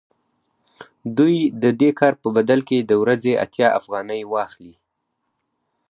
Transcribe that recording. دوی د دې کار په بدل کې د ورځې اتیا افغانۍ واخلي